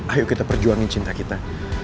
ayo kita perjuangin cinta kita